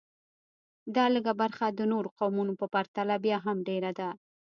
دا لږه برخه د نورو قومونو په پرتله بیا هم ډېره ده